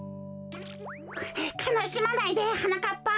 かなしまないではなかっぱ。